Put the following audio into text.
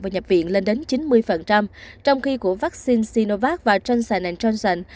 và nhập viện lên đến chín mươi trong khi của vaccine sinovac và johnson johnson